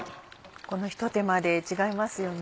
このひと手間で違いますよね。